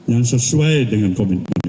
yang sesuai dengan komitmen